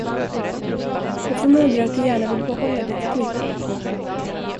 Jag förmodar att du gärna vill behålla ditt klipp.